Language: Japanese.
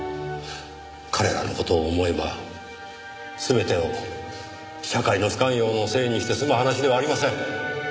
彼らの事を思えば全てを社会の不寛容のせいにして済む話ではありません。